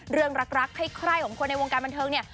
เรื่องรักใคร่ของคนในวงการบันเทิงเนี่ย